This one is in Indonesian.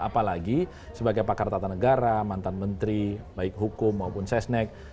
apalagi sebagai pakar tata negara mantan menteri baik hukum maupun sesnek